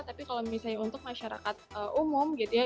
tapi kalau misalnya untuk masyarakat umum gitu ya